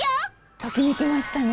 ときめきましたね。